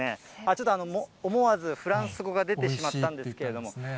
ちょっと思わずフランス語が出てしまったんですけれども。